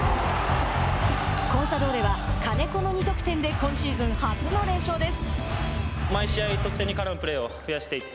コンサドーレは金子の２得点で今シーズン初の連勝です。